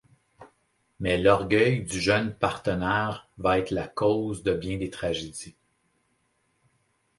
Mais l'orgueil du jeune partenaire va être la cause de bien des tragédies.